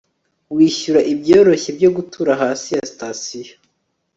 wishyura ibyoroshye byo gutura hafi ya sitasiyo